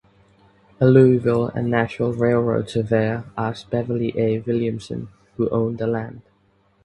A Louisville and Nashville railroad surveyor asked Beverly A. Williamson who owned the land.